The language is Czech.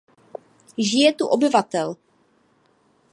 Žije tu obyvatel.